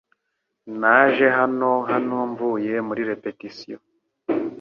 Naje hano hano mvuye muri repetition .